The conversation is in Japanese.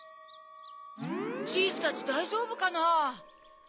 チーズたちだいじょうぶかな？